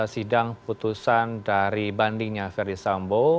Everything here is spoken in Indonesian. sidang putusan dari bandingnya ferdis sambo